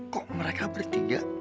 kok mereka bertiga